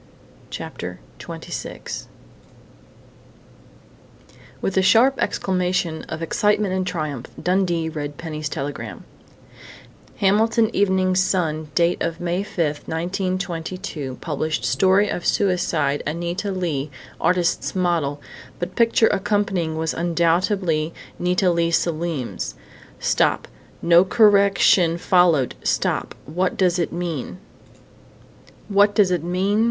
CHAPTER TWENTY SIX With a sharp exclamation of excitement and triumph, Dundee read Penny's telegram: "HAMILTON EVENING SUN DATE OF MAY FIFTH NINETEEN TWENTY TWO PUBLISHED STORY OF SUICIDE ANITA LEE ARTISTS MODEL BUT PICTURE ACCOMPANYING WAS UNDOUBTEDLY NITA LEIGH SELIM'S STOP NO CORRECTION FOLLOWED STOP WHAT DOES IT MEAN" "What does it mean?"